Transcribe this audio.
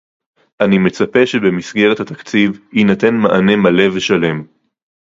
אני מצפה שבמסגרת התקציב יינתן מענה מלא ושלם